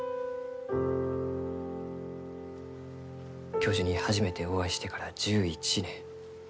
教授に初めてお会いしてから１１年。